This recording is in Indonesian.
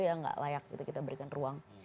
ya gak layak kita berikan ruang